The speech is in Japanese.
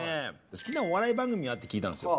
好きなお笑い番組は？って聞いたんですよ。